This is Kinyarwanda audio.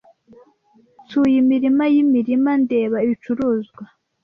Nsuye imirima yimirima ndeba ibicuruzwa,